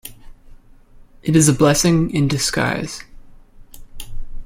It is a blessing in disguise.